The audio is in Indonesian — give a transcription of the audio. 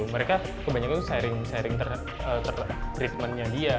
mereka kebanyakan sharing treatmentnya dia